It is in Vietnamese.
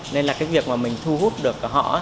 nên là việc mình thu hút được họ